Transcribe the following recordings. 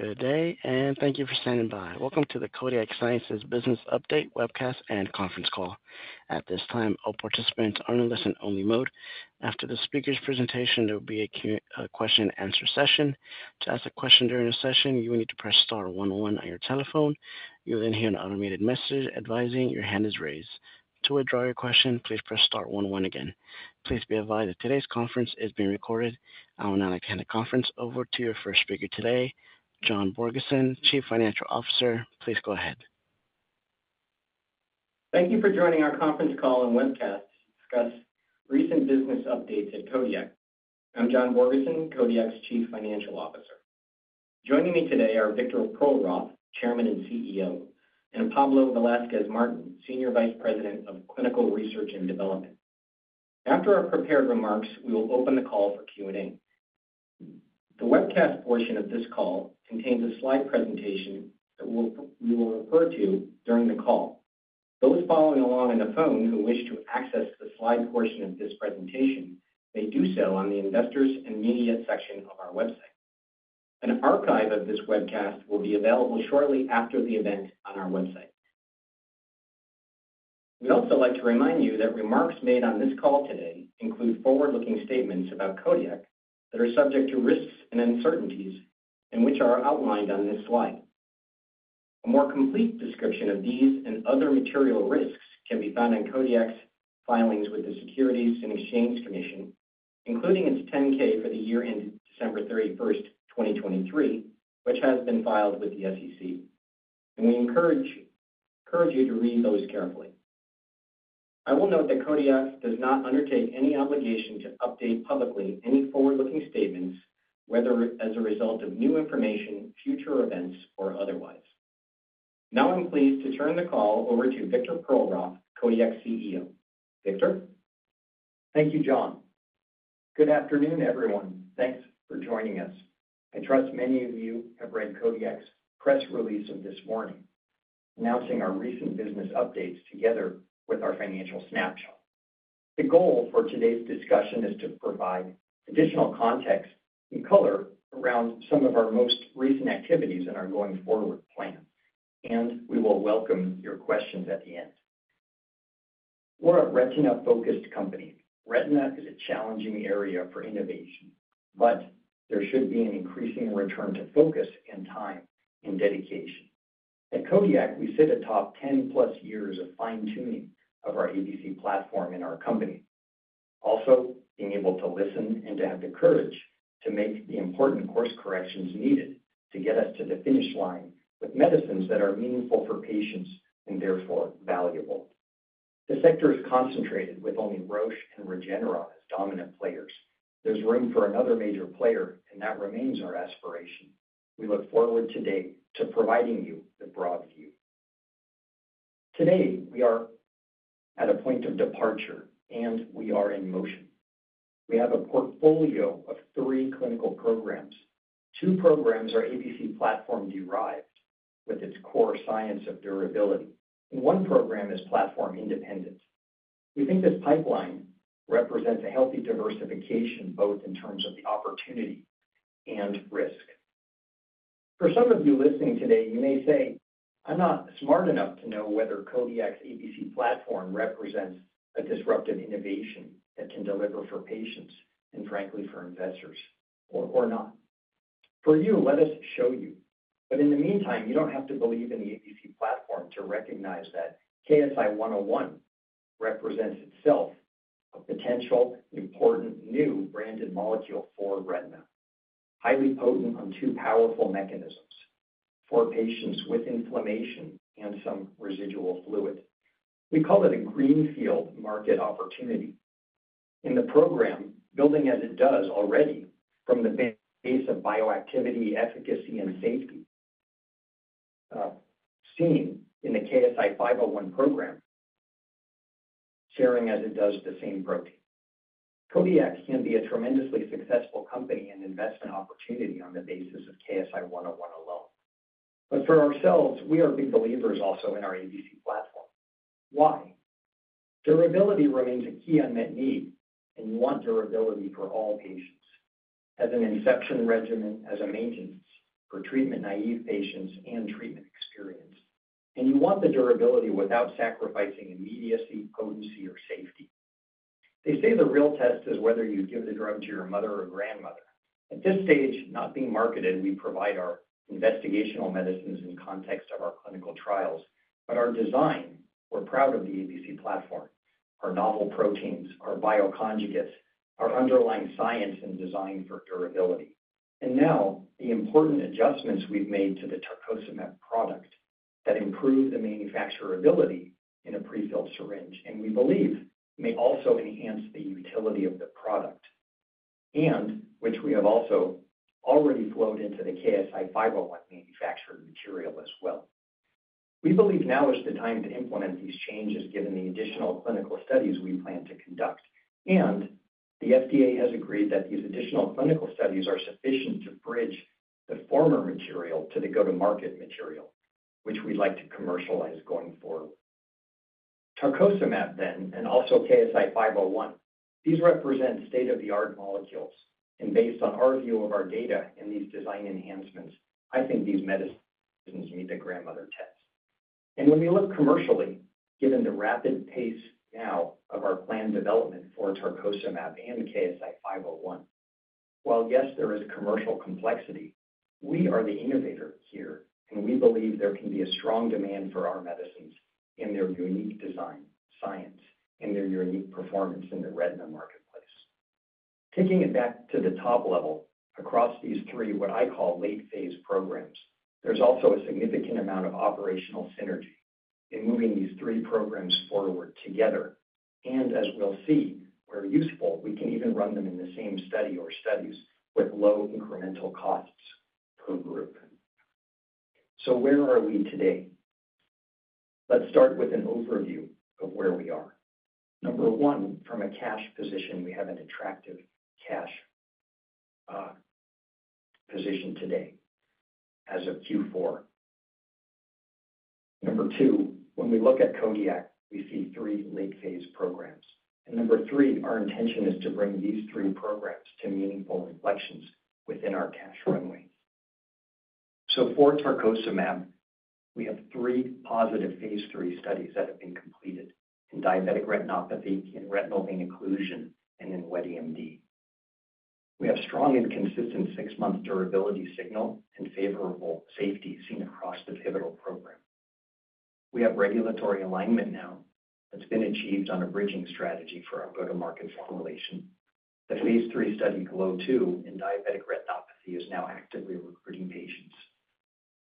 Good day, and thank you for standing by. Welcome to the Kodiak Sciences Business Update webcast and conference call. At this time, all participants are in listen-only mode. After the speaker's presentation, there will be a Q&A session. To ask a question during a session, you will need to press Star one on one on your telephone. You will then hear an automated message advising your hand is raised. To withdraw your question, please press Star one on one again. Please be advised that today's conference is being recorded. I will now hand the conference over to your first speaker today, John Borgeson, Chief Financial Officer. Please go ahead. Thank you for joining our conference call and webcast to discuss recent business updates at Kodiak. I'm John Borgeson, Kodiak's Chief Financial Officer. Joining me today are Victor Perlroth, Chairman and CEO, and Pablo Velazquez-Martin, Senior Vice President of Clinical Research and Development. After our prepared remarks, we will open the call for Q&A. The webcast portion of this call contains a slide presentation that we will refer to during the call. Those following along on the phone who wish to access the slide portion of this presentation, may do so on the Investors and Media section of our website. An archive of this webcast will be available shortly after the event on our website. We'd also like to remind you that remarks made on this call today include forward-looking statements about Kodiak that are subject to risks and uncertainties and which are outlined on this slide. A more complete description of these and other material risks can be found in Kodiak's filings with the Securities and Exchange Commission, including its 10-K for the year ending December 31st, 2023, which has been filed with the SEC, and we encourage you to read those carefully. I will note that Kodiak does not undertake any obligation to update publicly any forward-looking statements, whether as a result of new information, future events, or otherwise. Now I'm pleased to turn the call over to Victor Perlroth, Kodiak's CEO. Victor? Thank you, John. Good afternoon, everyone. Thanks for joining us. I trust many of you have read Kodiak's press release of this morning announcing our recent business updates together with our financial snapshot. The goal for today's discussion is to provide additional context and color around some of our most recent activities and our going forward plans, and we will welcome your questions at the end. We're a retina-focused company. Retina is a challenging area for innovation, but there should be an increasing return to focus and time and dedication. At Kodiak, we sit atop 10+ years of fine-tuning of our ABC Platform in our company, also being able to listen and to have the courage to make the important course corrections needed to get us to the finish line with medicines that are meaningful for patients and therefore valuable. The sector is concentrated, with only Roche and Regeneron as dominant players. There's room for another major player, and that remains our aspiration. We look forward today to providing you the broad view. Today, we are at a point of departure, and we are in motion. We have a portfolio of three clinical programs. Two programs are ABC Platform-derived, with its core science of durability, and one program is platform-independent. We think this pipeline represents a healthy diversification, both in terms of the opportunity and risk. For some of you listening today, you may say, "I'm not smart enough to know whether Kodiak's ABC Platform represents a disruptive innovation that can deliver for patients and, frankly, for investors," or not. For you, let us show you. But in the meantime, you don't have to believe in the ABC platform to recognize that KSI-101 represents itself a potential, important, new branded molecule for retina, highly potent on two powerful mechanisms for patients with inflammation and some residual fluid. We call it a greenfield market opportunity. In the program, building as it does already from the base of bioactivity, efficacy, and safety seen in the KSI-501 program, sharing as it does the same protein, Kodiak can be a tremendously successful company and investment opportunity on the basis of KSI-101 alone. But for ourselves, we are big believers also in our ABC platform. Why? Durability remains a key unmet need, and you want durability for all patients: as an inception regimen, as a maintenance for treatment-naïve patients and treatment-experienced, and you want the durability without sacrificing immediacy, potency, or safety. They say the real test is whether you give the drug to your mother or grandmother. At this stage, not being marketed, we provide our investigational medicines in the context of our clinical trials. But our design, we're proud of the ABC Platform: our novel proteins, our bioconjugates, our underlying science and design for durability. And now, the important adjustments we've made to the Tarcocimab product that improve the manufacturability in a prefilled syringe, and we believe may also enhance the utility of the product, and which we have also already flowed into the KSI-501 manufactured material as well. We believe now is the time to implement these changes, given the additional clinical studies we plan to conduct. And the FDA has agreed that these additional clinical studies are sufficient to bridge the former material to the go-to-market material, which we'd like to commercialize going forward. Tarcocimab, then, and also KSI-501, these represent state-of-the-art molecules. Based on our view of our data and these design enhancements, I think these medicines meet the grandmother test. When we look commercially, given the rapid pace now of our planned development for Tarcocimab and KSI-501, while yes, there is commercial complexity, we are the innovator here, and we believe there can be a strong demand for our medicines in their unique design science and their unique performance in the retina marketplace. Taking it back to the top level, across these three, what I call late-phase programs, there's also a significant amount of operational synergy in moving these three programs forward together. As we'll see, where useful, we can even run them in the same study or studies with low incremental costs per group. Where are we today? Let's start with an overview of where we are. Number one, from a cash position, we have an attractive cash position today as of Q4. Number two, when we look at Kodiak, we see three late-phase programs. Number three, our intention is to bring these three programs to meaningful inflections within our cash runway. So for Tarcocimab, we have three positive phase III studies that have been completed in diabetic retinopathy, in retinal vein occlusion, and in wet AMD. We have strong and consistent six-month durability signal and favorable safety seen across the pivotal program. We have regulatory alignment now that's been achieved on a bridging strategy for our go-to-market formulation. The phase III study GLOW2 in diabetic retinopathy is now actively recruiting patients.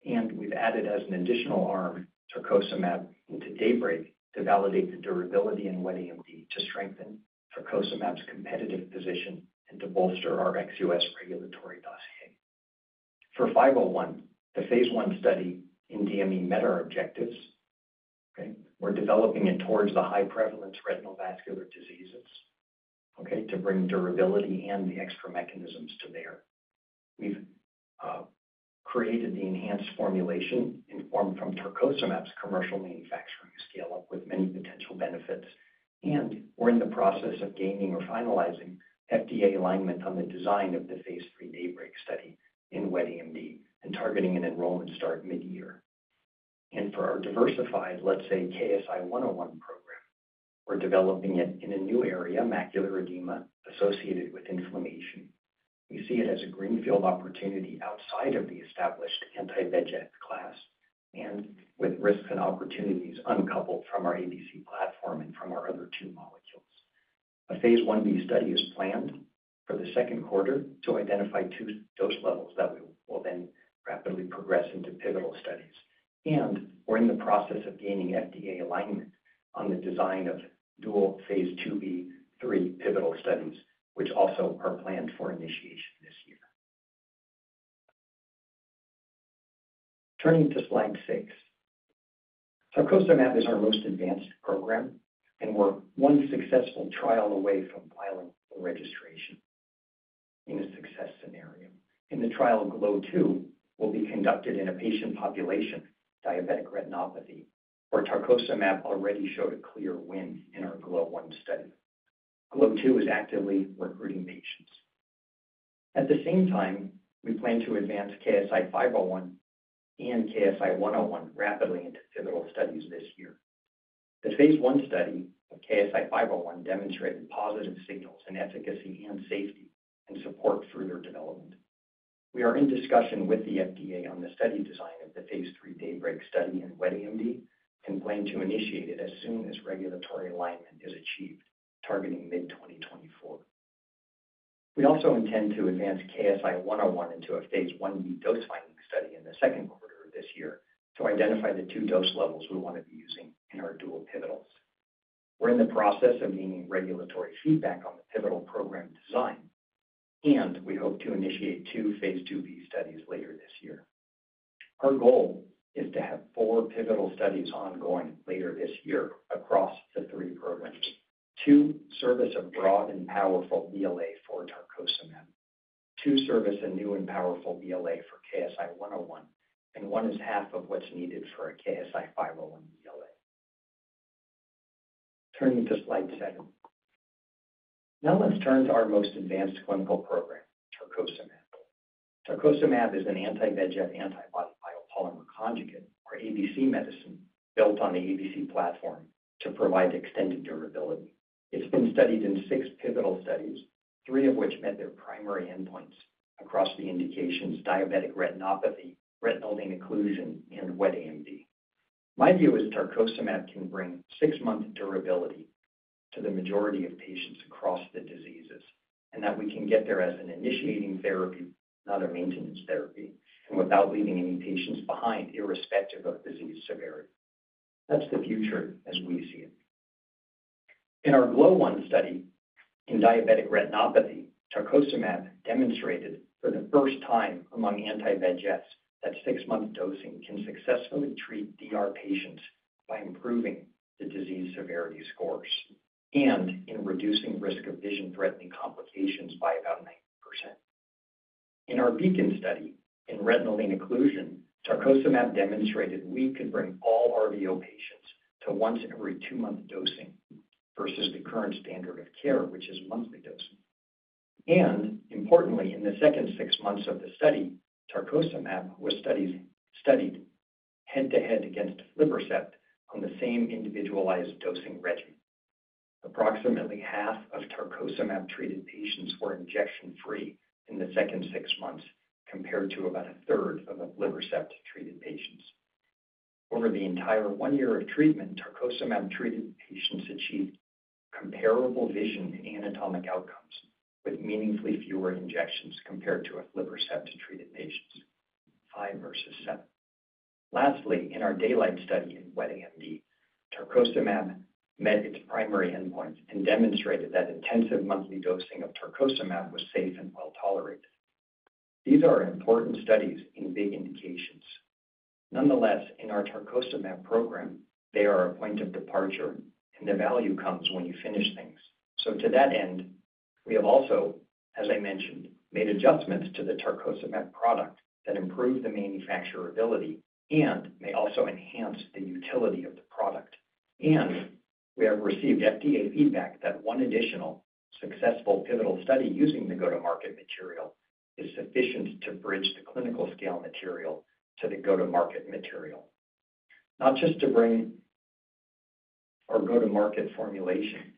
And we've added, as an additional arm, Tarcocimab into DAYBREAK to validate the durability in wet AMD, to strengthen Tarcocimab's competitive position, and to bolster our ex-US regulatory dossier. For 501, the phase I study in DME met its objectives, okay, we're developing it towards the high-prevalence retinal vascular diseases, okay, to bring durability and the extra mechanisms to bear. We've created the enhanced formulation informed from Tarcocimab's commercial manufacturing scale-up with many potential benefits. And we're in the process of gaining or finalizing FDA alignment on the design of the phase III DAYBREAK study in wet AMD and targeting an enrollment start mid-year. And for our diversified, let's say, KSI-101 program, we're developing it in a new area, macular edema, associated with inflammation. We see it as a greenfield opportunity outside of the established anti-VEGF class and with risks and opportunities uncoupled from our ABC platform and from our other two molecules. A phase Ib study is planned for the second quarter to identify two dose levels that will then rapidly progress into pivotal studies. We're in the process of gaining FDA alignment on the design of dual phase IIb three pivotal studies, which also are planned for initiation this year. Turning to slide six, Tarcocimab is our most advanced program, and we're one successful trial away from pilot registration in a success scenario. The trial GLOW2 will be conducted in a patient population diabetic retinopathy, where Tarcocimab already showed a clear win in our GLOW1 study. GLOW2 is actively recruiting patients. At the same time, we plan to advance KSI-501 and KSI-101 rapidly into pivotal studies this year. The phase I study of KSI-501 demonstrated positive signals in efficacy and safety and support for their development. We are in discussion with the FDA on the study design of the phase III DAYBREAK study in wet AMD and plan to initiate it as soon as regulatory alignment is achieved, targeting mid-2024. We also intend to advance KSI-101 into a phase IB dose-finding study in the second quarter of this year to identify the two dose levels we want to be using in our dual pivotals. We're in the process of gaining regulatory feedback on the pivotal program design, and we hope to initiate two phase IIB studies later this year. Our goal is to have four pivotal studies ongoing later this year across the three programs: two service a broad and powerful BLA for Tarcocimab, two service a new and powerful BLA for KSI-101, and one is half of what's needed for a KSI-501 BLA. Turning to slide seven, now let's turn to our most advanced clinical program, Tarcocimab. Tarcocimab is an anti-VEGF antibody biopolymer conjugate, or ABC medicine, built on the ABC Platform to provide extended durability. It's been studied in six pivotal studies, three of which met their primary endpoints across the indications diabetic retinopathy, retinal vein occlusion, and wet AMD. My view is Tarcocimab can bring six-month durability to the majority of patients across the diseases and that we can get there as an initiating therapy, not a maintenance therapy, and without leaving any patients behind irrespective of disease severity. That's the future as we see it. In our GLOW1 study in diabetic retinopathy, Tarcocimab demonstrated for the first time among anti-VEGFs that 6-month dosing can successfully treat DR patients by improving the disease severity scores and in reducing risk of vision-threatening complications by about 90%. In our BEACON study in retinal vein occlusion, Tarcocimab demonstrated we could bring all RVO patients to once-every-two-month dosing versus the current standard of care, which is monthly dosing. And importantly, in the second six months of the study, Tarcocimab was studied head-to-head against aflibercept on the same individualized dosing regimen. Approximately half of Tarcocimab-treated patients were injection-free in the second 6 months compared to about a third of the aflibercept-treated patients. Over the entire one year of treatment, Tarcocimab-treated patients achieved comparable vision and anatomic outcomes with meaningfully fewer injections compared to aflibercept-treated patients, five versus seven. Lastly, in our DAYLIGHT study in wet AMD, Tarcocimab met its primary endpoints and demonstrated that intensive monthly dosing of Tarcocimab was safe and well-tolerated. These are important studies in big indications. Nonetheless, in our Tarcocimab program, they are a point of departure, and the value comes when you finish things. So to that end, we have also, as I mentioned, made adjustments to the Tarcocimab product that improve the manufacturability and may also enhance the utility of the product. And we have received FDA feedback that one additional successful pivotal study using the go-to-market material is sufficient to bridge the clinical scale material to the go-to-market material, not just to bring our go-to-market formulation,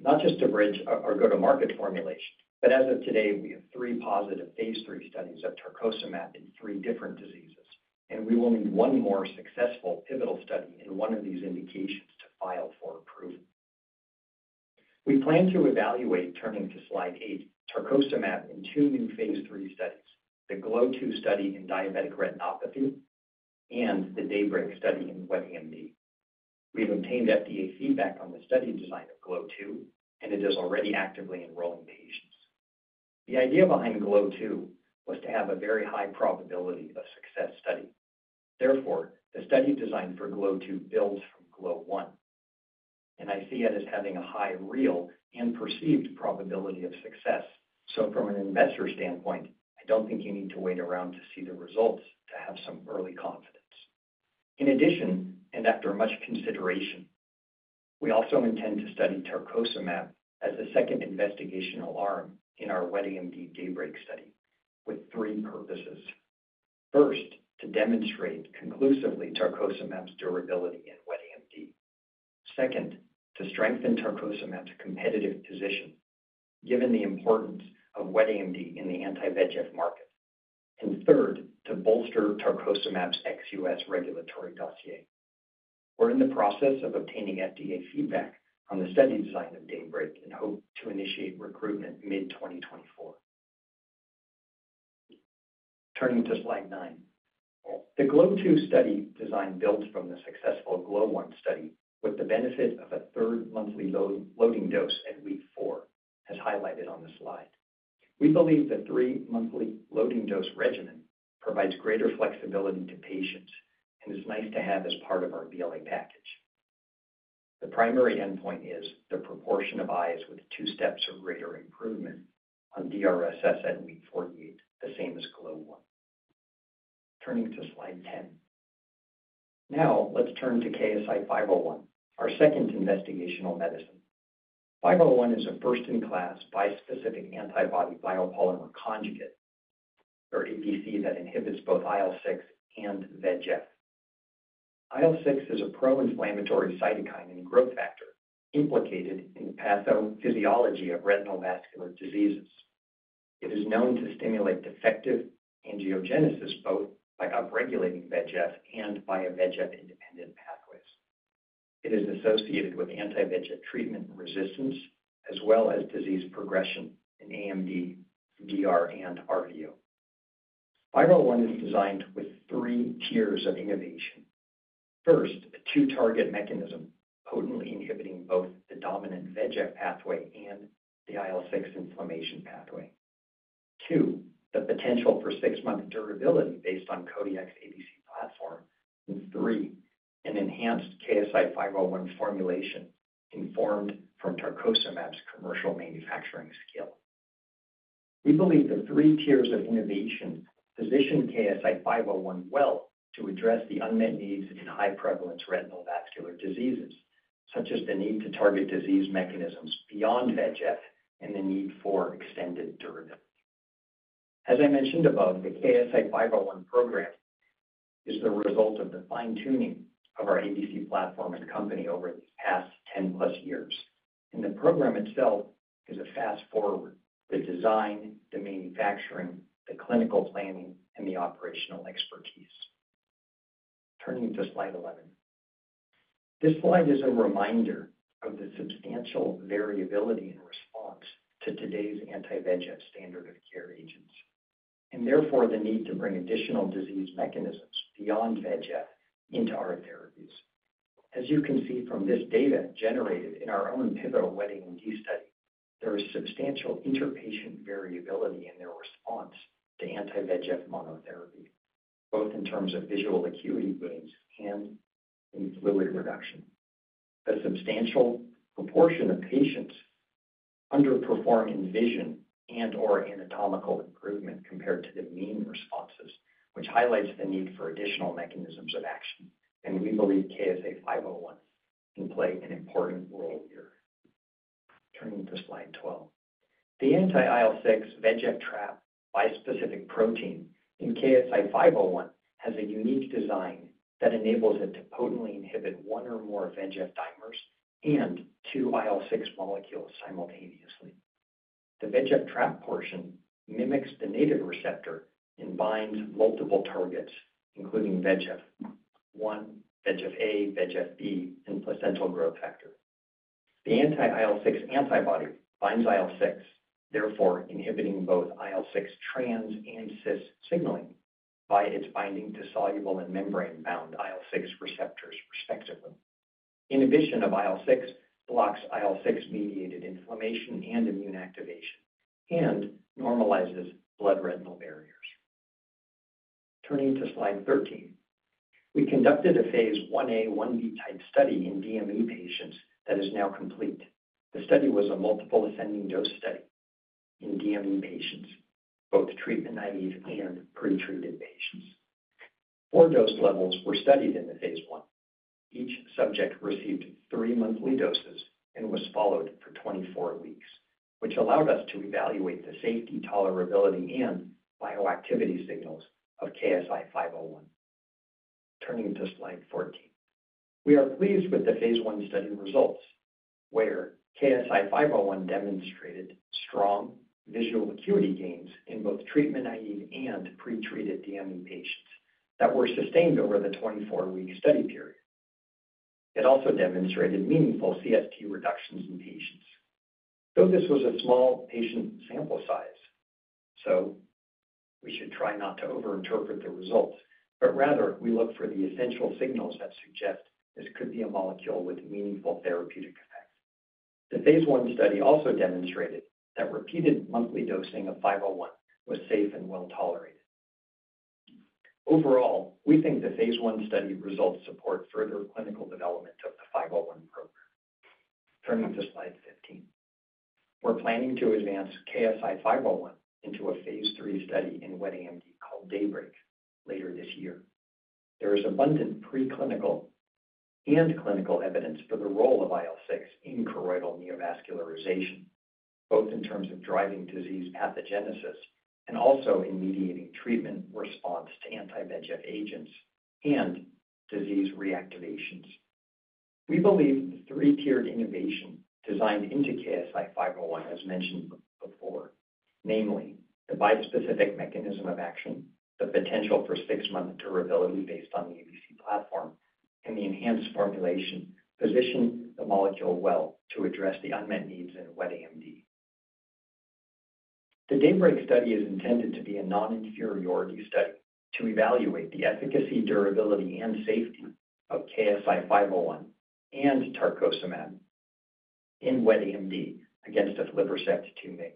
not just to bridge our go-to-market formulation. But as of today, we have three positive phase III studies of Tarcocimab in three different diseases, and we will need one more successful pivotal study in one of these indications to file for approval. We plan to evaluate, turning to slide eight, Tarcocimab in two new phase III studies: the GLOW2 study in diabetic retinopathy and the DAYBREAK study in wet AMD. We have obtained FDA feedback on the study design of GLOW2, and it is already actively enrolling patients. The idea behind GLOW2 was to have a very high probability of success study. Therefore, the study design for GLOW2 builds from GLOW1, and I see it as having a high real and perceived probability of success. So from an investor standpoint, I don't think you need to wait around to see the results to have some early confidence. In addition, and after much consideration, we also intend to study Tarcocimab as the second investigational arm in our wet AMD DAYBREAK study with three purposes: first, to demonstrate conclusively Tarcocimab's durability in wet AMD; second, to strengthen Tarcocimab's competitive position given the importance of wet AMD in the anti-VEGF market; and third, to bolster Tarcocimab's ex-US regulatory dossier. We're in the process of obtaining FDA feedback on the study design of DAYBREAK and hope to initiate recruitment mid-2024. Turning to slide 9, the GLOW2 study design builds from the successful GLOW1 study with the benefit of a third monthly loading dose at week 4, as highlighted on the slide. We believe the three-monthly loading dose regimen provides greater flexibility to patients and is nice to have as part of our BLA package. The primary endpoint is the proportion of eyes with two steps or greater improvement on DRSS at week 48, the same as GLOW1. Turning to slide 10, now let's turn to KSI-501, our second investigational medicine. 501 is a first-in-class bispecific antibody biopolymer conjugate, or ABC, that inhibits both IL-6 and VEGF. IL-6 is a pro-inflammatory cytokine and growth factor implicated in the pathophysiology of retinal vascular diseases. It is known to stimulate defective angiogenesis both by upregulating VEGFs and via VEGF-independent pathways. It is associated with anti-VEGF treatment resistance as well as disease progression in AMD, DR, and RVO. 501 is designed with three tiers of innovation. First, a two-target mechanism potently inhibiting both the dominant VEGF pathway and the IL-6 inflammation pathway, two, the potential for six-month durability based on Kodiak's ABC platform, and three, an enhanced KSI-501 formulation informed from Tarcocimab's commercial manufacturing scale. We believe the three tiers of innovation position KSI-501 well to address the unmet needs in high-prevalence retinal vascular diseases, such as the need to target disease mechanisms beyond VEGF and the need for extended durability. As I mentioned above, the KSI-501 program is the result of the fine-tuning of our ABC Platform and company over the past 10+ years. And the program itself is a fast forward: the design, the manufacturing, the clinical planning, and the operational expertise. Turning to slide 11, this slide is a reminder of the substantial variability in response to today's anti-VEGF standard of care agents and therefore the need to bring additional disease mechanisms beyond VEGF into our therapies. As you can see from this data generated in our own pivotal wet AMD study, there is substantial interpatient variability in their response to anti-VEGF monotherapy, both in terms of visual acuity gains and in fluid reduction. A substantial proportion of patients underperform in vision and/or anatomical improvement compared to the mean responses, which highlights the need for additional mechanisms of action. We believe KSI-501 can play an important role here. Turning to slide 12, the anti-IL-6 VEGF trap bispecific protein in KSI-501 has a unique design that enables it to potently inhibit one or more VEGF dimers and two IL-6 molecules simultaneously. The VEGF trap portion mimics the native receptor and binds multiple targets, including VEGF-1, VEGF-A, VEGF-B, and placental growth factor. The anti-IL-6 antibody binds IL-6, therefore inhibiting both IL-6 trans and cis signaling by its binding to soluble and membrane-bound IL-6 receptors, respectively. Inhibition of IL-6 blocks IL-6-mediated inflammation and immune activation and normalizes blood-retinal barriers. Turning to slide 13, we conducted a phase IA/IB-type study in DME patients that is now complete. The study was a multiple ascending dose study in DME patients, both treatment-naive and pretreated patients. 4 dose levels were studied in the phase I. Each subject received 3 monthly doses and was followed for 24 weeks, which allowed us to evaluate the safety, tolerability, and bioactivity signals of KSI-501. Turning to slide 14, we are pleased with the phase I study results, where KSI-501 demonstrated strong visual acuity gains in both treatment-naive and pretreated DME patients that were sustained over the 24-week study period. It also demonstrated meaningful CST reductions in patients. Though this was a small patient sample size, so we should try not to overinterpret the results, but rather we look for the essential signals that suggest this could be a molecule with meaningful therapeutic effects. The phase I study also demonstrated that repeated monthly dosing of 501 was safe and well-tolerated. Overall, we think the phase I study results support further clinical development of the 501 program. Turning to slide 15, we're planning to advance KSI-501 into a phase III study in wet AMD called DAYBREAK later this year. There is abundant preclinical and clinical evidence for the role of IL-6 in choroidal neovascularization, both in terms of driving disease pathogenesis and also in mediating treatment response to anti-VEGF agents and disease reactivations. We believe the three-tiered innovation designed into KSI-501, as mentioned before, namely the bispecific mechanism of action, the potential for 6-month durability based on the ABC Platform, and the enhanced formulation, position the molecule well to address the unmet needs in wet AMD. The DAYBREAK study is intended to be a non-inferiority study to evaluate the efficacy, durability, and safety of KSI-501 and Tarcocimab in wet AMD against aflibercept 2-mg.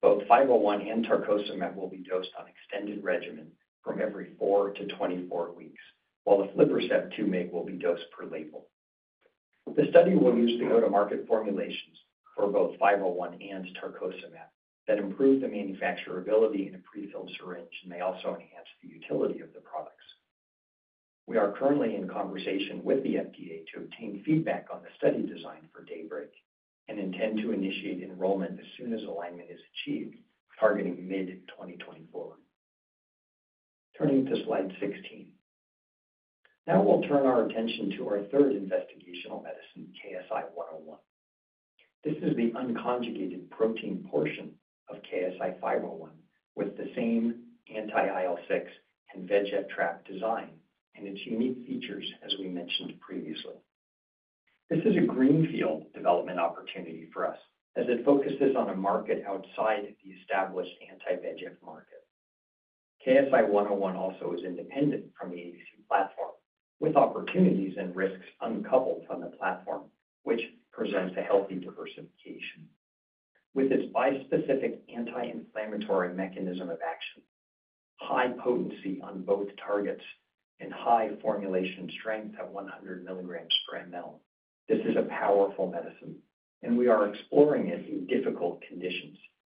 Both 501 and Tarcocimab will be dosed on extended regimen from every four to 24 weeks, while aflibercept 2-mg will be dosed per label. The study will use the go-to-market formulations for both 501 and Tarcocimab that improve the manufacturability in a prefilled syringe and may also enhance the utility of the products. We are currently in conversation with the FDA to obtain feedback on the study design for DAYBREAK and intend to initiate enrollment as soon as alignment is achieved, targeting mid-2024. Turning to slide 16, now we'll turn our attention to our third investigational medicine, KSI-101. This is the unconjugated protein portion of KSI-501 with the same anti-IL-6 and VEGF trap design and its unique features, as we mentioned previously. This is a greenfield development opportunity for us, as it focuses on a market outside the established anti-VEGF market. KSI-101 also is independent from the ABC Platform, with opportunities and risks uncoupled from the platform, which presents a healthy diversification. With its bispecific anti-inflammatory mechanism of action, high potency on both targets, and high formulation strength at 100 mg/mL, this is a powerful medicine. We are exploring it in difficult conditions,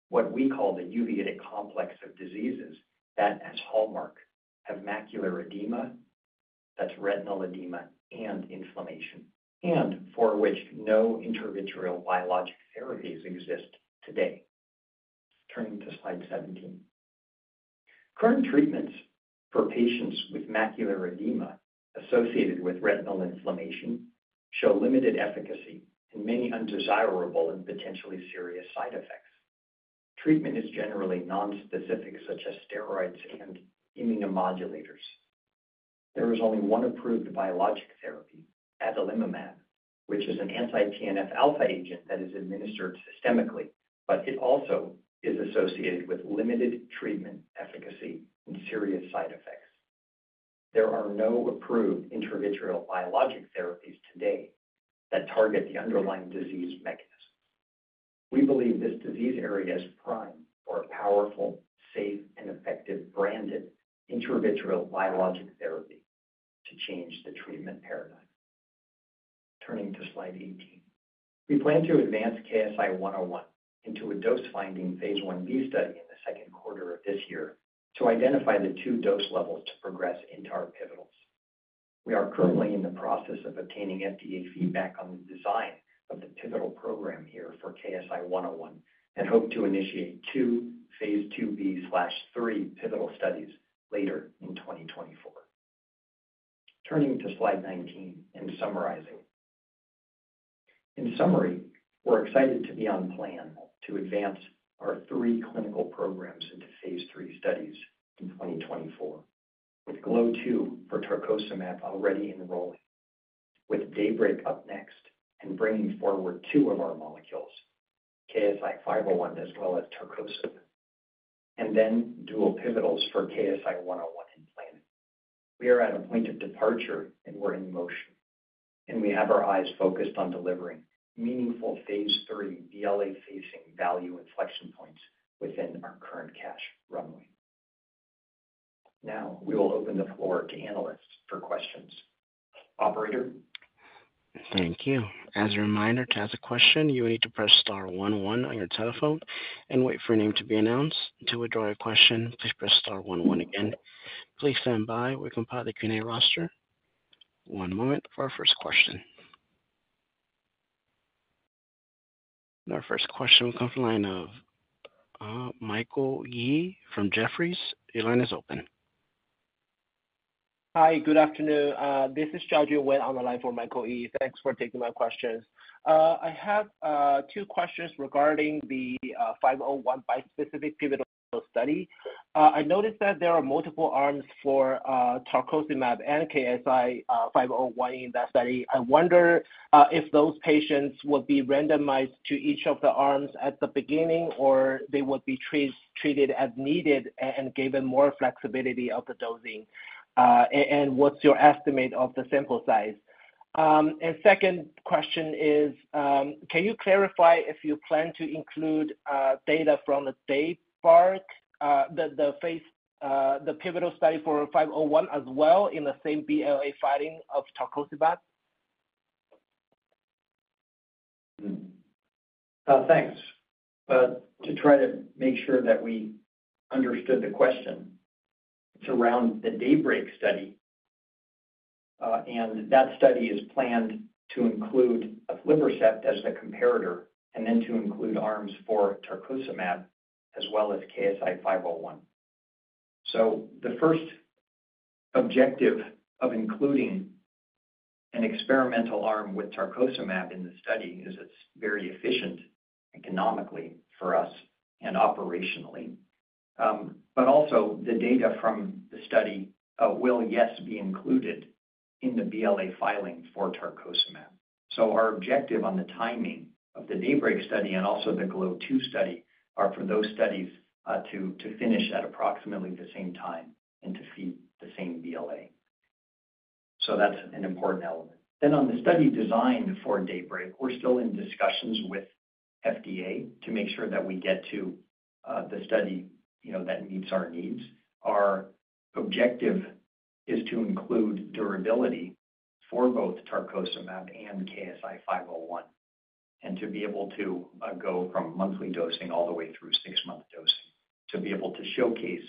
what we call the uveitic complex of diseases that, as hallmark, have macular edema, that's retinal edema and inflammation, and for which no intravitreal biologic therapies exist today. Turning to slide 17, current treatments for patients with macular edema associated with retinal inflammation show limited efficacy and many undesirable and potentially serious side effects. Treatment is generally nonspecific, such as steroids and immunomodulators. There is only one approved biologic therapy, Adalimumab, which is an anti-TNF-alpha agent that is administered systemically, but it also is associated with limited treatment efficacy and serious side effects. There are no approved intravitreal biologic therapies today that target the underlying disease mechanisms. We believe this disease area is prime for a powerful, safe, and effective branded intravitreal biologic therapy to change the treatment paradigm. Turning to slide 18, we plan to advance KSI-101 into a dose-finding phase Ib study in the second quarter of this year to identify the two dose levels to progress into our pivotals. We are currently in the process of obtaining FDA feedback on the design of the pivotal program here for KSI-101 and hope to initiate two phase IIb three pivotal studies later in 2024. Turning to slide 19 and summarizing, in summary, we're excited to be on plan to advance our three clinical programs into phase III studies in 2024, with GLOW2 for Tarcocimab already enrolling, with DAYBREAK up next and bringing forward two of our molecules, KSI-501 as well as Tarcocimab, and then dual pivotals for KSI-101 implanted. We are at a point of departure, and we're in motion. We have our eyes focused on delivering meaningful phase III BLA-facing value inflection points within our current cash runway. Now we will open the floor to analysts for questions. Operator. Thank you. As a reminder, to ask a question, you will need to press star one one on your telephone and wait for your name to be announced. To withdraw your question, please press star one one again. Please stand by. We'll compile the Q&A roster. One moment for our first question. Our first question will come from the line of Michael Yee from Jefferies. Your line is open. Hi, good afternoon. This is Xiaojiu Weion the line for Michael Yee. Thanks for taking my questions. I have two questions regarding the 501 bispecific pivotal study. I noticed that there are multiple arms for Tarcocimab and KSI-501 in that study. I wonder if those patients would be randomized to each of the arms at the beginning, or they would be treated as needed and given more flexibility of the dosing. And what's your estimate of the sample size? And second question is, can you clarify if you plan to include data from the phase I pivotal study for 501 as well in the same BLA filing of Tarcocimab? Thanks. To try to make sure that we understood the question, it's around the DAYBREAK study. That study is planned to include aflibercept as the comparator and then to include arms for Tarcocimab as well as KSI-501. So the first objective of including an experimental arm with Tarcocimab in the study is it's very efficient economically for us and operationally. But also, the data from the study will, yes, be included in the BLA filing for Tarcocimab. So our objective on the timing of the DAYBREAK study and also the GLOW2 study are for those studies to finish at approximately the same time and to feed the same BLA. So that's an important element. Then on the study designed for DAYBREAK, we're still in discussions with FDA to make sure that we get to the study that meets our needs. Our objective is to include durability for both Tarcocimab and KSI-501 and to be able to go from monthly dosing all the way through six-month dosing, to be able to showcase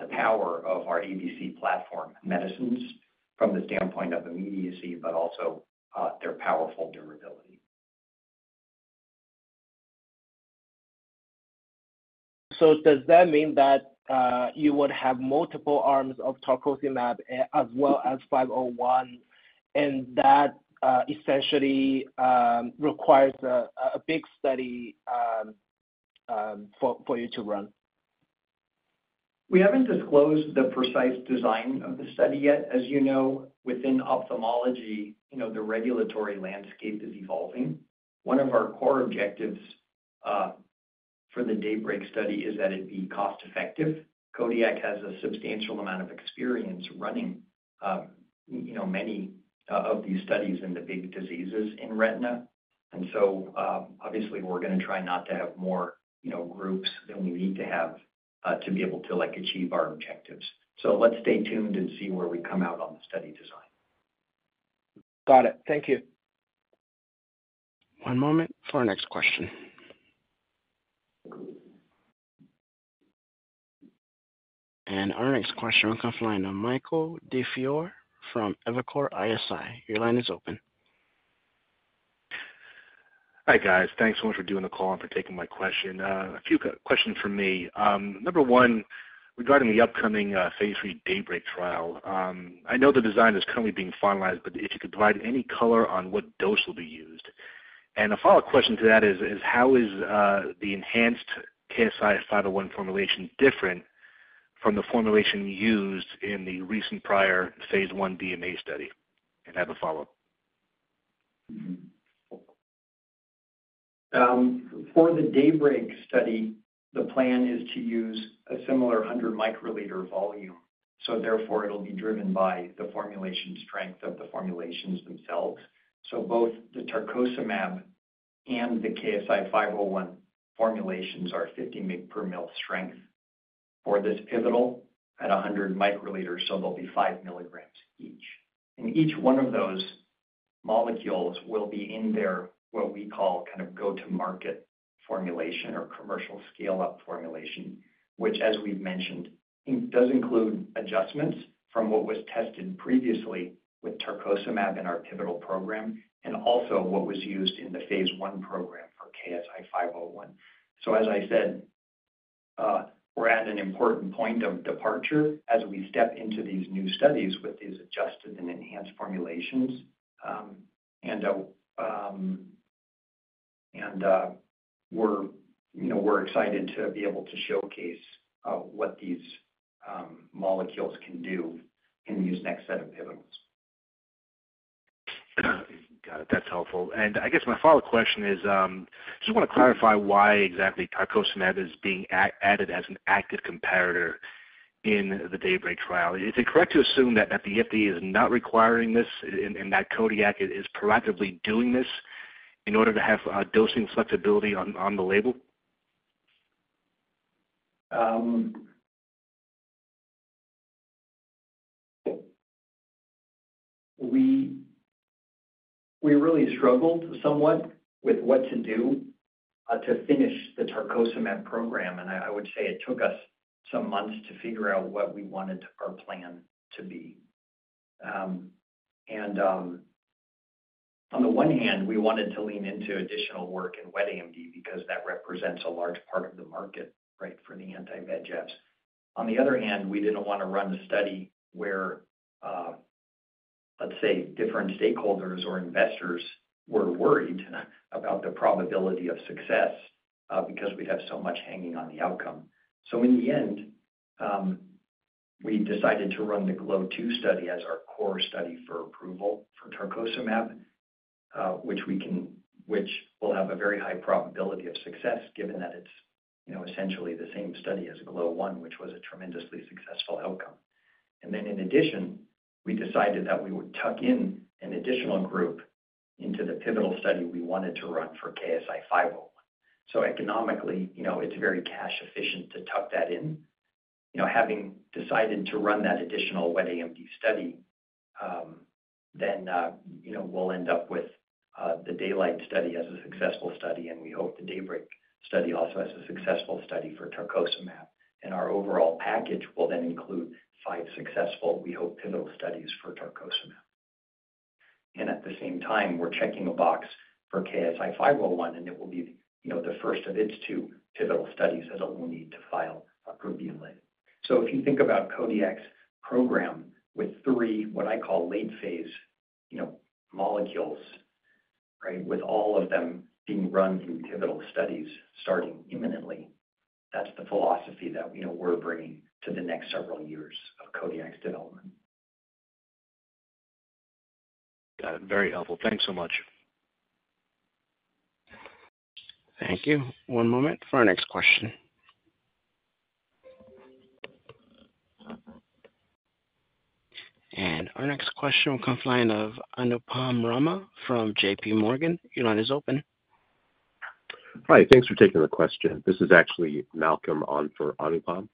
the power of our ABC Platform medicines from the standpoint of immediacy, but also their powerful durability. So does that mean that you would have multiple arms of Tarcocimab as well as 501, and that essentially requires a big study for you to run? We haven't disclosed the precise design of the study yet. As you know, within ophthalmology, the regulatory landscape is evolving. One of our core objectives for the DAYBREAK study is that it be cost-effective. Kodiak has a substantial amount of experience running many of these studies in the big diseases in retina. And so obviously, we're going to try not to have more groups than we need to have to be able to achieve our objectives. So let's stay tuned and see where we come out on the study design. Got it. Thank you. One moment for our next question. Our next question will come from the line of Michael DiFiore from Evercore ISI. Your line is open. Hi guys. Thanks so much for doing the call and for taking my question. A few questions for me. Number one, regarding the upcoming phase III DAYBREAK trial, I know the design is currently being finalized, but if you could provide any color on what dose will be used? A follow-up question to that is, how is the enhanced KSI-501 formulation different from the formulation used in the recent prior phase I DME study? I have a follow-up. For the DAYBREAK study, the plan is to use a similar 100 microliters volume. Therefore, it'll be driven by the formulation strength of the formulations themselves. Both the Tarcocimab and the KSI-501 formulations are 50 mg per mL strength. For this pivotal at 100 microliters, so there'll be 5 milligrams each. Each one of those molecules will be in their what we call kind of go-to-market formulation or commercial scale-up formulation, which, as we've mentioned, does include adjustments from what was tested previously with Tarcocimab in our pivotal program and also what was used in the phase I program for KSI-501. As I said, we're at an important point of departure as we step into these new studies with these adjusted and enhanced formulations. We're excited to be able to showcase what these molecules can do in these next set of pivotals. Got it. That's helpful. I guess my follow-up question is, I just want to clarify why exactly Tarcocimab is being added as an active comparator in the DAYBREAK trial. Is it correct to assume that the FDA is not requiring this and that Kodiak is proactively doing this in order to have dosing flexibility on the label? We really struggled somewhat with what to do to finish the Tarcocimab program. And I would say it took us some months to figure out what we wanted our plan to be. And on the one hand, we wanted to lean into additional work in wet AMD because that represents a large part of the market, right, for the anti-VEGFs. On the other hand, we didn't want to run a study where, let's say, different stakeholders or investors were worried about the probability of success because we'd have so much hanging on the outcome. So in the end, we decided to run the GLOW2 study as our core study for approval for Tarcocimab, which will have a very high probability of success given that it's essentially the same study as GLOW1, which was a tremendously successful outcome. Then in addition, we decided that we would tuck in an additional group into the pivotal study we wanted to run for KSI-501. So economically, it's very cash-efficient to tuck that in. Having decided to run that additional wet AMD study, then we'll end up with the DAYLIGHT study as a successful study, and we hope the DAYBREAK study also as a successful study for Tarcocimab. Our overall package will then include five successful, we hope, pivotal studies for Tarcocimab. And at the same time, we're checking a box for KSI-501, and it will be the first of its two pivotal studies that it will need to file approved BLA. So if you think about Kodiak's program with three what I call late-phase molecules, right, with all of them being run in pivotal studies starting imminently, that's the philosophy that we're bringing to the next several years of Kodiak's development. Got it. Very helpful. Thanks so much. Thank you. One moment for our next question. Our next question will come from the line of Anupam Rama from J.P. Morgan. Your line is open. Hi. Thanks for taking the question. This is actually Malcolm on for Anupam.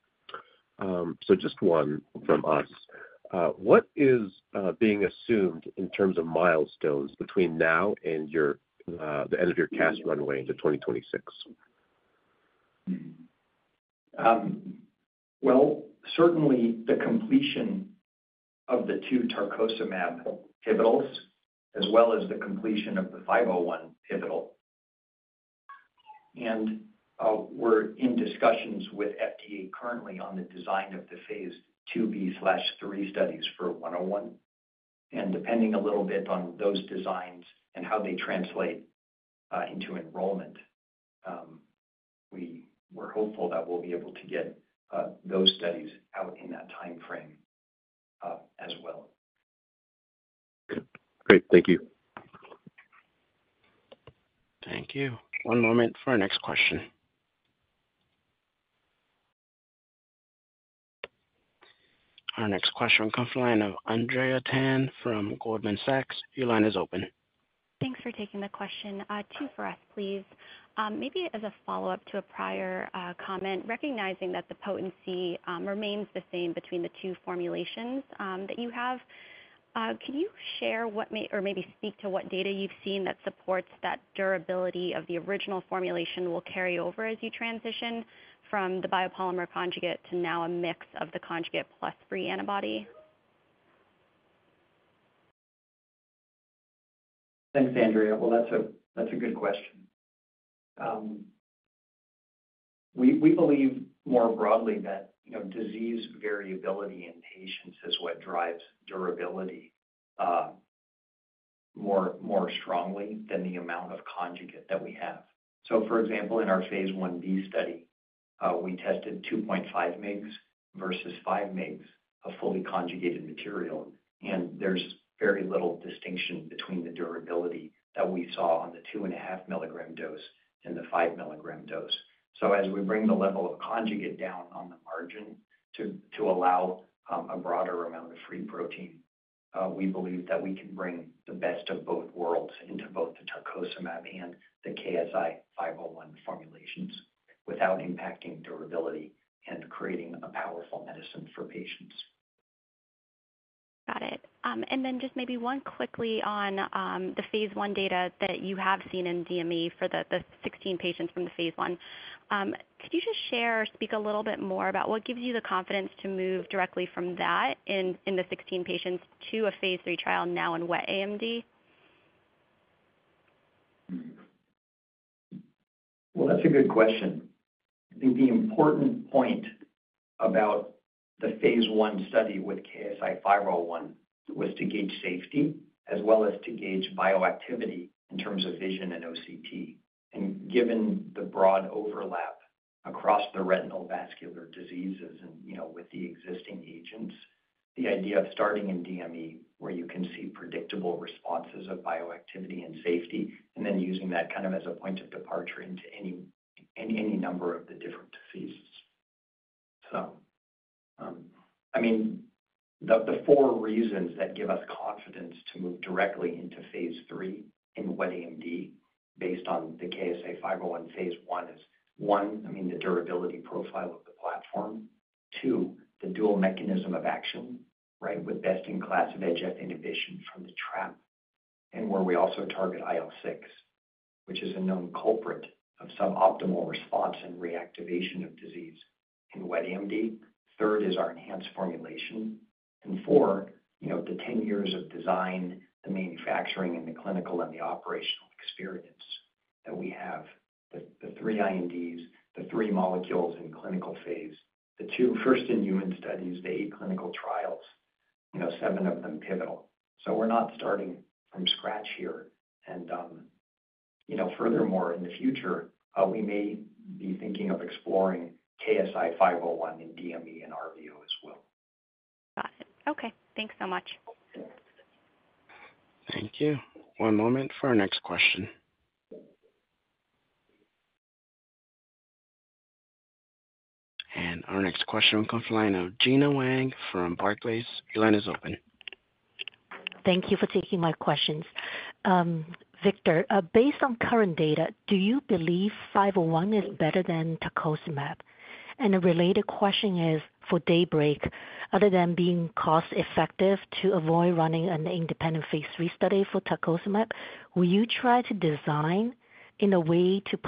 Just one from us. What is being assumed in terms of milestones between now and the end of your cash runway into 2026? Well, certainly the completion of the two Tarcocimab pivotals as well as the completion of the 501 pivotal. And we're in discussions with FDA currently on the design of the phase IIb/III studies for 101. And depending a little bit on those designs and how they translate into enrollment, we're hopeful that we'll be able to get those studies out in that timeframe as well. Great. Thank you. Thank you. One moment for our next question. Our next question will come from the line of Andrea Tan from Goldman Sachs. Your line is open. Thanks for taking the question. Two for us, please. Maybe as a follow-up to a prior comment, recognizing that the potency remains the same between the two formulations that you have, can you share what or maybe speak to what data you've seen that supports that durability of the original formulation will carry over as you transition from the biopolymer conjugate to now a mix of the conjugate plus free antibody? Thanks, Andrea. Well, that's a good question. We believe more broadly that disease variability in patients is what drives durability more strongly than the amount of conjugate that we have. So for example, in our Phase IB study, we tested 2.5 mgs versus 5 mgs, a fully conjugated material. And there's very little distinction between the durability that we saw on the 2.5 milligram dose and the 5 milligram dose. So as we bring the level of conjugate down on the margin to allow a broader amount of free protein, we believe that we can bring the best of both worlds into both the Tarcocimab and the KSI-501 formulations without impacting durability and creating a powerful medicine for patients. Got it. And then just maybe one quickly on the phase I data that you have seen in DME for the 16 patients from the phase I, could you just share or speak a little bit more about what gives you the confidence to move directly from that in the 16 patients to a phase III trial now in wet AMD? Well, that's a good question. I think the important point about the phase I study with KSI-501 was to gauge safety as well as to gauge bioactivity in terms of vision and OCT. And given the broad overlap across the retinal vascular diseases and with the existing agents, the idea of starting in DME where you can see predictable responses of bioactivity and safety and then using that kind of as a point of departure into any number of the different diseases. So I mean, the four reasons that give us confidence to move directly into phase III in wet AMD based on the KSI-501 phase I is, one, I mean, the durability profile of the platform. Two, the dual mechanism of action, right, with best-in-class VEGF inhibition from the trap and where we also target IL-6, which is a known culprit of suboptimal response and reactivation of disease in wet AMD. Third is our enhanced formulation. And four, the 10 years of design, the manufacturing, and the clinical and the operational experience that we have, the three INDs, the three molecules in clinical phase. The two first-in-human studies, the eight clinical trials, seven of them pivotal. So we're not starting from scratch here. And furthermore, in the future, we may be thinking of exploring KSI-501 in DME and RVO as well. Got it. Okay. Thanks so much. Thank you. One moment for our next question. Our next question will come from the line of Gena Wang from Barclays. Your line is open. Thank you for taking my questions. Victor, based on current data, do you believe 501 is better than Tarcocimab? And a related question is, for DAYBREAK, other than being cost-effective to avoid running an independent phase III study for Tarcocimab, will you try to design in a way to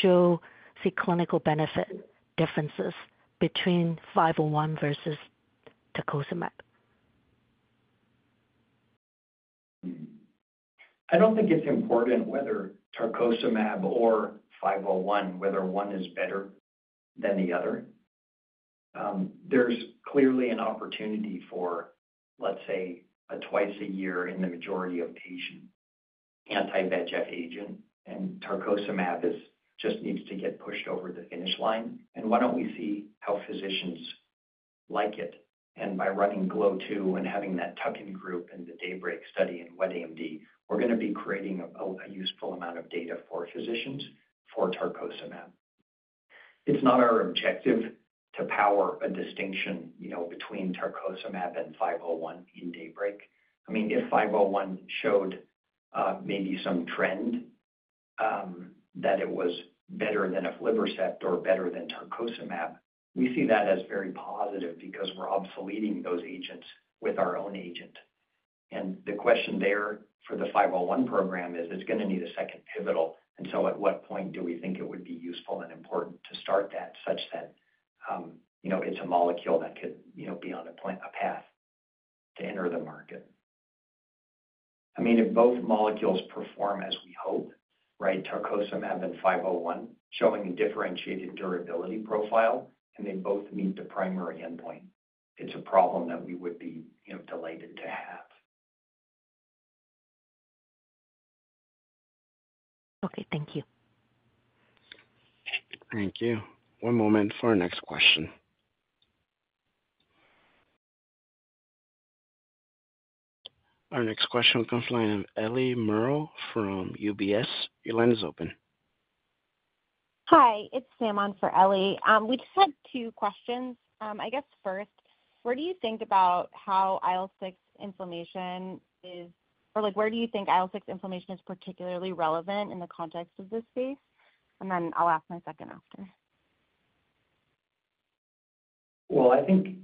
show, say, clinical benefit differences between 501 versus Tarcocimab? I don't think it's important whether Tarcocimab or 501, whether one is better than the other. There's clearly an opportunity for, let's say, a twice-a-year in the majority of patient anti-VEGF agent. And Tarcocimab just needs to get pushed over the finish line. And why don't we see how physicians like it? And by running GLOW2 and having that tuck-in group in the DAYBREAK study in wet AMD, we're going to be creating a useful amount of data for physicians for Tarcocimab. It's not our objective to power a distinction between Tarcocimab and 501 in DAYBREAK. I mean, if 501 showed maybe some trend that it was better than aflibercept or better than Tarcocimab, we see that as very positive because we're obsoleting those agents with our own agent. And the question there for the 501 program is, it's going to need a second pivotal. And so at what point do we think it would be useful and important to start that such that it's a molecule that could be on a path to enter the market? I mean, if both molecules perform as we hope, right, Tarcocimab and 501, showing a differentiated durability profile, and they both meet the primary endpoint, it's a problem that we would be delighted to have. Okay. Thank you. Thank you. One moment for our next question. Our next question will come from the line of Ellie Merle from UBS. Your line is open. Hi. It's Sam on for Ellie. We just had two questions. I guess first, where do you think IL-6 inflammation is particularly relevant in the context of this case? And then I'll ask my second after. Well, I think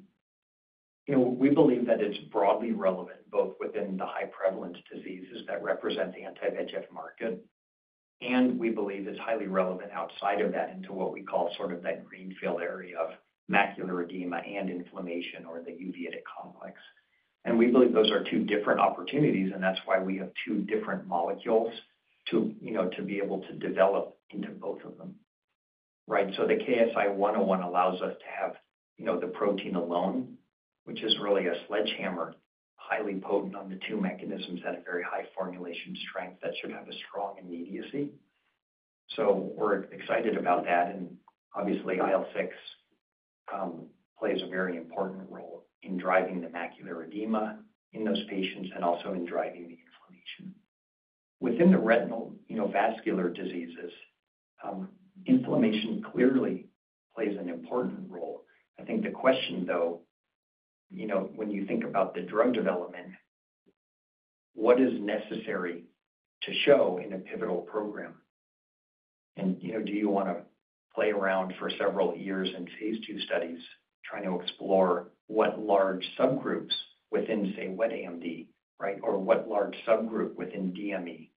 we believe that it's broadly relevant both within the high-prevalence diseases that represent the anti-VEGF market, and we believe it's highly relevant outside of that into what we call sort of that greenfield area of macular edema and inflammation or the uveitic complex. And we believe those are two different opportunities, and that's why we have two different molecules to be able to develop into both of them, right? So the KSI 101 allows us to have the protein alone, which is really a sledgehammer, highly potent on the two mechanisms at a very high formulation strength that should have a strong immediacy. So we're excited about that. And obviously, IL-6 plays a very important role in driving the macular edema in those patients and also in driving the inflammation. Within the retinal vascular diseases, inflammation clearly plays an important role. I think the question, though, when you think about the drug development, what is necessary to show in a pivotal program? And do you want to play around for several years in phase II studies trying to explore what large subgroups within, say, wet AMD, right, or what large subgroup within DME,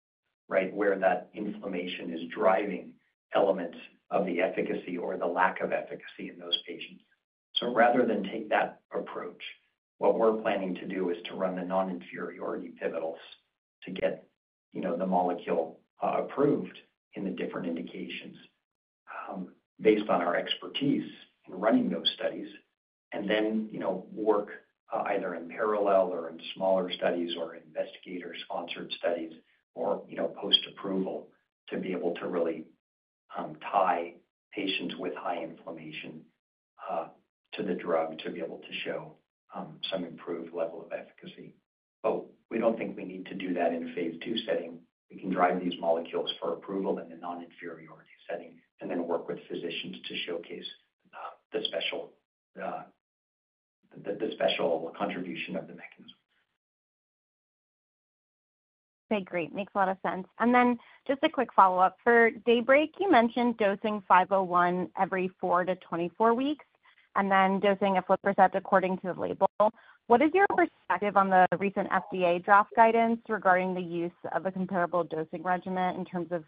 right, where that inflammation is driving elements of the efficacy or the lack of efficacy in those patients? So rather than take that approach, what we're planning to do is to run the non-inferiority pivotals to get the molecule approved in the different indications based on our expertise in running those studies and then work either in parallel or in smaller studies or investigator-sponsored studies or post-approval to be able to really tie patients with high inflammation to the drug to be able to show some improved level of efficacy. But we don't think we need to do that in a phase II setting. We can drive these molecules for approval in the non-inferiority setting and then work with physicians to showcase the special contribution of the mechanism. Okay. Great. Makes a lot of sense. And then just a quick follow-up. For DAYBREAK, you mentioned dosing 501 every four-24 weeks and then dosing aflibercept according to the label. What is your perspective on the recent FDA draft guidance regarding the use of a comparable dosing regimen in terms of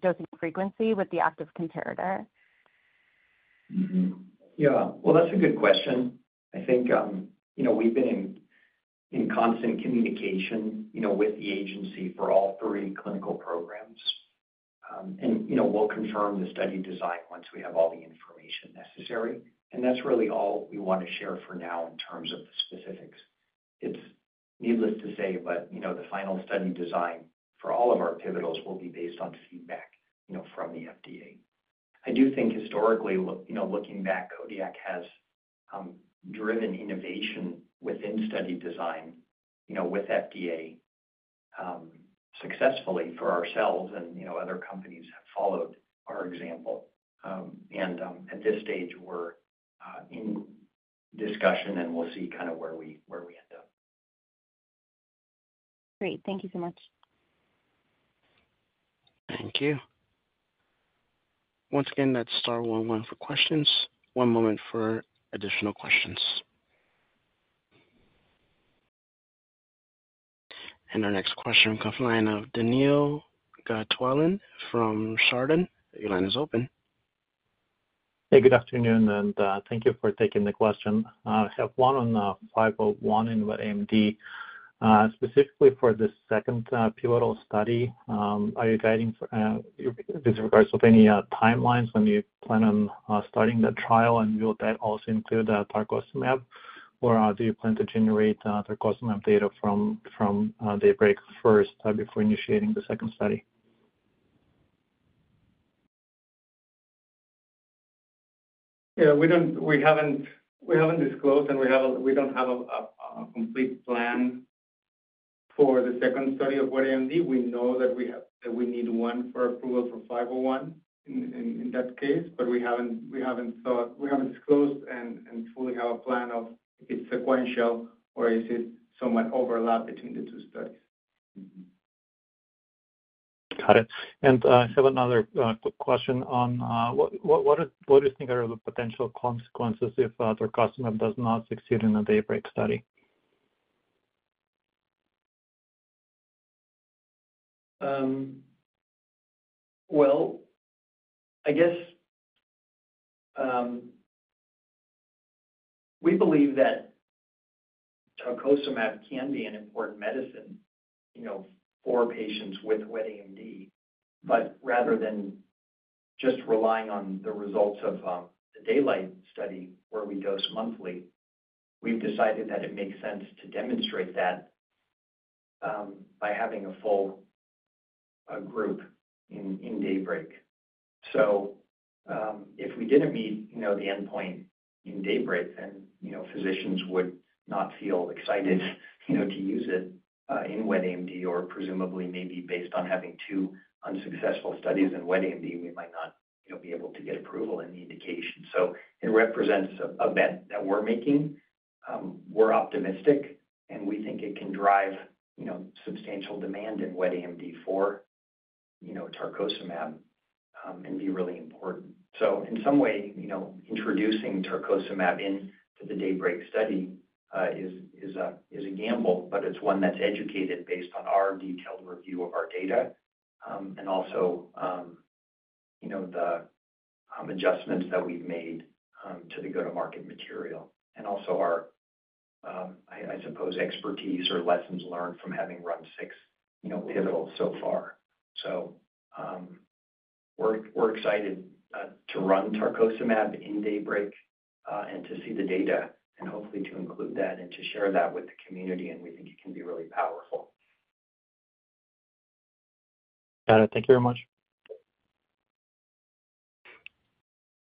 dosing frequency with the active comparator? Yeah. Well, that's a good question. I think we've been in constant communication with the agency for all three clinical programs. We'll confirm the study design once we have all the information necessary. That's really all we want to share for now in terms of the specifics. It's needless to say, but the final study design for all of our pivotals will be based on feedback from the FDA. I do think historically, looking back, Kodiak has driven innovation within study design with FDA successfully for ourselves. Other companies have followed our example. At this stage, we're in discussion, and we'll see kind of where we end up. Great. Thank you so much. Thank you. Once again, that's Star 101 for questions. One moment for additional questions. Our next question will come from the line of Daniil Gataulin from Chardan. Your line is open. Hey. Good afternoon. And thank you for taking the question. I have one on 501 in wet AMD. Specifically for the second pivotal study, are you guiding this in regards to any timelines when you plan on starting that trial? And will that also include Tarcocimab, or do you plan to generate Tarcocimab data from DAYBREAK first before initiating the second study? Yeah. We haven't disclosed, and we don't have a complete plan for the second study of wet AMD. We know that we need one for approval for 501 in that case, but we haven't disclosed and fully have a plan of if it's sequential or is it somewhat overlapped between the two studies. Got it. I have another quick question on what do you think are the potential consequences if Tarcocimab does not succeed in the DAYBREAK study? Well, I guess we believe that Tarcocimab can be an important medicine for patients with Wet AMD. But rather than just relying on the results of the DAYLIGHT study where we dose monthly, we've decided that it makes sense to demonstrate that by having a full group in DAYBREAK. So if we didn't meet the endpoint in DAYBREAK, then physicians would not feel excited to use it in Wet AMD. Or presumably, maybe based on having two unsuccessful studies in Wet AMD, we might not be able to get approval and the indication. So it represents a bet that we're making. We're optimistic, and we think it can drive substantial demand in Wet AMD for Tarcocimab and be really important. In some way, introducing Tarcocimab into the DAYBREAK study is a gamble, but it's one that's educated based on our detailed review of our data and also the adjustments that we've made to the go-to-market material and also our, I suppose, expertise or lessons learned from having run six pivotals so far. We're excited to run Tarcocimab in DAYBREAK and to see the data and hopefully to include that and to share that with the community. We think it can be really powerful. Got it. Thank you very much.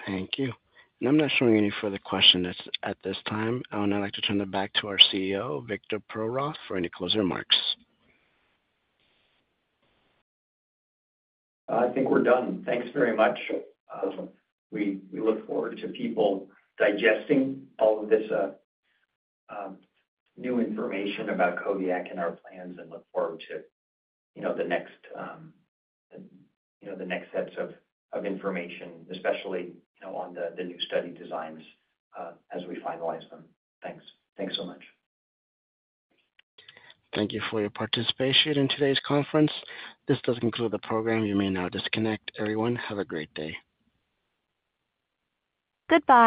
Thank you. I'm not showing any further questions at this time. I'd like to turn it back to our CEO, Victor Perlroth, for any closing remarks. I think we're done. Thanks very much. We look forward to people digesting all of this new information about Kodiak in our plans and look forward to the next sets of information, especially on the new study designs as we finalize them. Thanks. Thanks so much. Thank you for your participation in today's conference. This does conclude the program. You may now disconnect. Everyone, have a great day. Goodbye.